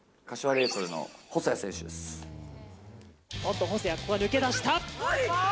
細谷、ここは抜け出した。